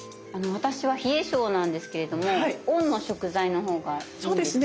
私は冷え性なんですけれども「温」の食材のほうがいいんですかね？